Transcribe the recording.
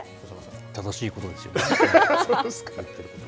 正しいことですよね。